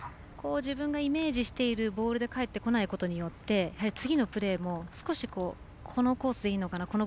自分がイメージしているボールで返ってこないことによって次のプレーも少しこのコースでいいのかな？